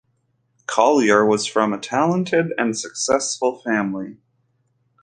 Collier was from a talented and successful family.